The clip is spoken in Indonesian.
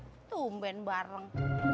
dan juga pembela barang